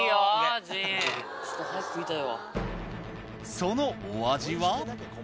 そのお味は？